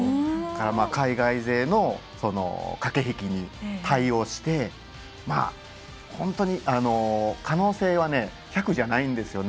海外勢の駆け引きに対応して本当に可能性は１００じゃないんですよね。